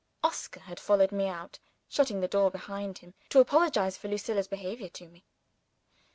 Oscar had followed me out (shutting the door behind him) to apologize for Lucilla's behavior to me.